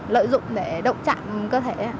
lợi dụng để động chạm cơ thể